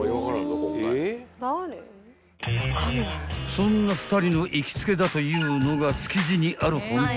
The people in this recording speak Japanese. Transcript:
［そんな２人の行きつけだというのが築地にある本店］